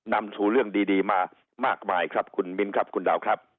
นำสู่เรื่องดีมามากมายครับคุณมิ้นครับคุณดาวครับ